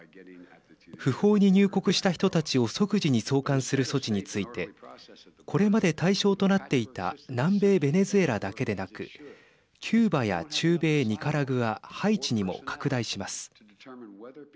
不法に入国した人たちを即時に送還する措置についてこれまで対象となっていた南米ベネズエラだけでなくキューバや中米ニカラグアハイチにも拡大します。